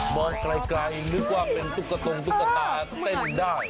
มองไกลนึกว่าเป็นตุ๊กตงตุ๊กตาเต้นได้